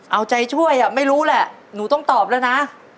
เอาใจช่วยอ่ะไม่รู้แหละหนูต้องตอบแล้วนะ